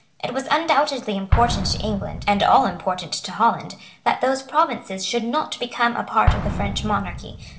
It was undoubtedly important to England, and all important to Holland, that those provinces should not become a part of the French monarchy.